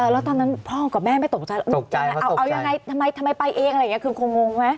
แล้วตอนนั้นพ่อกับแม่ไม่ตกใจเอาอย่างไรทำไมไปเองคงงงไหม